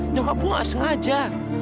nyokap gue gak sengaja